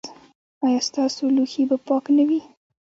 ایا ستاسو لوښي به پاک نه وي؟